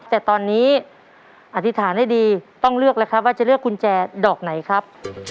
แต่ตอนนี้อธิษฐานให้ดีต้องเลือกแล้วครับว่าจะเลือกกุญแจดอกไหนครับ